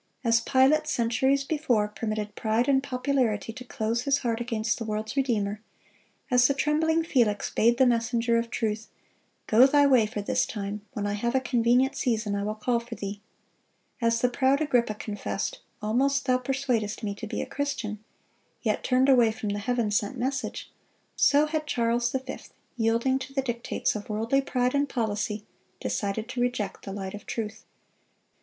As Pilate, centuries before, permitted pride and popularity to close his heart against the world's Redeemer; as the trembling Felix bade the messenger of truth, "Go thy way for this time; when I have a convenient season, I will call for thee;" as the proud Agrippa confessed, "Almost thou persuadest me to be a Christian,"(229) yet turned away from the Heaven sent message,—so had Charles V., yielding to the dictates of worldly pride and policy, decided to reject the light of truth.